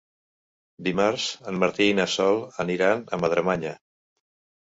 Dimarts en Martí i na Sol aniran a Madremanya.